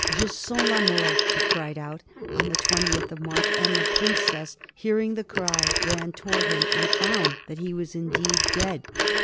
*^ Je sens la mort," he cried out on the 20th of March, and the princess, hearing the cry, ran towards him, and found that he was indeed dead.